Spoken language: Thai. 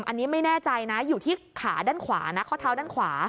อันนี้ไม่แน่ใจนะอยู่ที่ขาด้านขวานะข้อเท้าด้านขวา